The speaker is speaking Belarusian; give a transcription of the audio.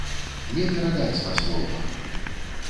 Не перадаць на словах!